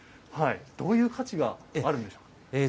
どういう価値があるんですか？